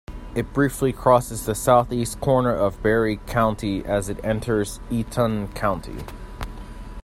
It briefly crosses the southeast corner of Barry County as it enters Eaton County.